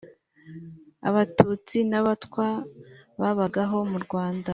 abatutsi n abatwa babagaho mu rwanda